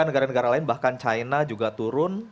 negara negara lain bahkan china juga turun